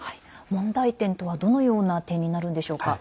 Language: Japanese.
問題点とはどのような点になるんでしょうか。